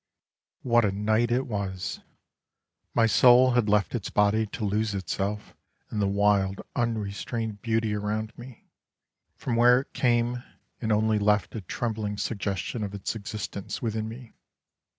What a night it was! My soul had left its body to lose itself in the wild unrestrained beauty around me — from where it came — and only left a trembling suggestion of its existence within me.